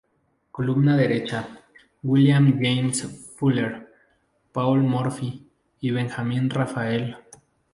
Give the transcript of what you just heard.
Columna derecha: William James Fuller, Paul Morphy, y Benjamín Raphael.